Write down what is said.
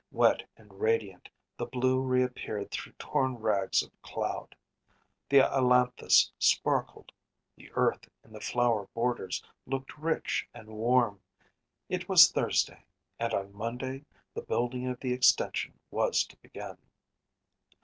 Wet and radiant the blue reappeared through torn rags of cloud; the ailanthus sparkled; the earth in the flower borders looked rich and warm. It was Thursday, and on Monday the building of the extension was to begin.